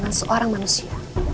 itu adalah seorang manusia